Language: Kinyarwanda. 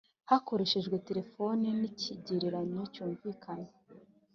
Hakoreshejwe terefoni n ikigereranyo cyumvikana